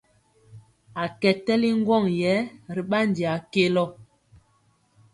A kɛ tɛli ŋgwɔŋ yɛ ri ɓandi a kelɔ.